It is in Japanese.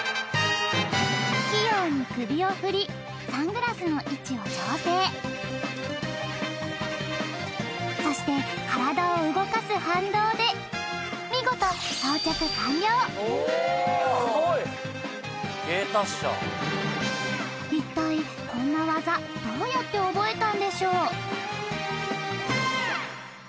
器用に首を振りサングラスの位置を調整そして体を動かす反動で見事一体こんな技どうやって覚えたんでしょう？